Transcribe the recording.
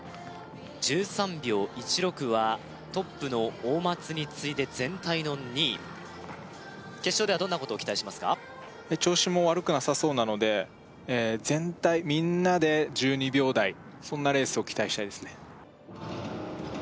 １３秒１６はトップの大松に次いで全体の２位決勝ではどんなことを期待しますか調子も悪くなさそうなので全体みんなで１２秒台そんなレースを期待したいですね